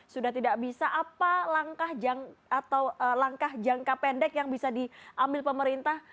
sudah tidak bisa apa langkah atau langkah jangka pendek yang bisa diambil pemerintah